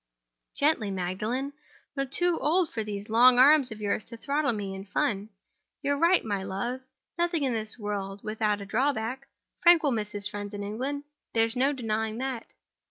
"Gently, Magdalen! I'm a little too old for those long arms of yours to throttle me in fun.—You're right, my love. Nothing in this world without a drawback. Frank will miss his friends in England: there's no denying that."